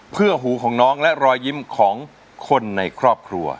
เพื่อหูของน้องและรอยยิ้มของคนในครอบครัว